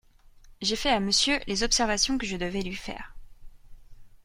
J’ai fait à Monsieur les observations que je devais lui faire…